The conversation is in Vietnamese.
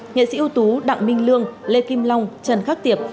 nghệ sĩ ưu tú đặng minh lương lê kim long trần khắc tiệp